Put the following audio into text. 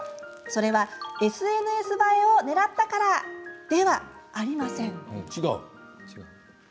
それは、ＳＮＳ映えをねらったからではありません。